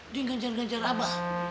dia nganjar nganjar abak